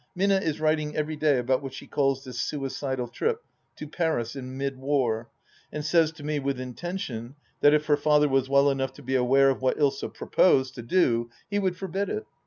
Minna is Writing every day about what she calls " this suicidal trip " to Paris in mid war, and says to me, with intention, that if her father was well enough to be aware of what Ilsa proposed to do he would forbid it.